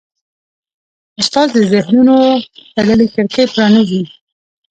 استاد د ذهنونو تړلې کړکۍ پرانیزي.